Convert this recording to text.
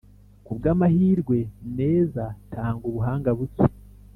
kubwamahirwe, - neza, tanga ubuhanga buke,